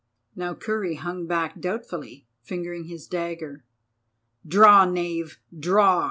Now Kurri hung back doubtfully fingering his dagger. "Draw, knave, draw!"